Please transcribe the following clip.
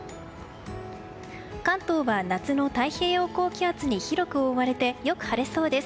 関東は夏の太平洋高気圧に広く覆われて良く晴れそうです。